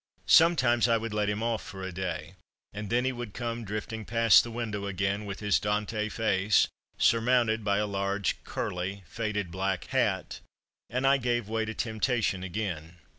Sometimes I would let him off for a day, and then he would come drifting past the window again, with his "Dante" face, surmounted by a large curly, faded black hat, and I gave way to temptation again.